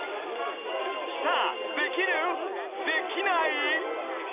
スターできる？できない？